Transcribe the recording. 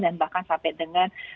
dan bahkan sampai dengan